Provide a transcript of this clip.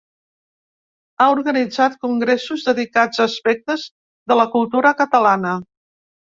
Ha organitzat congressos dedicats a aspectes de la cultura catalana.